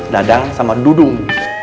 dadang sama dudung